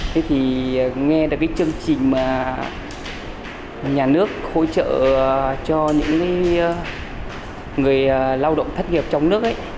thế thì nghe được cái chương trình mà nhà nước hỗ trợ cho những người lao động thất nghiệp trong nước ấy